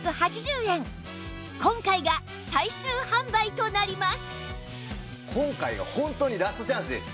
今回が最終販売となります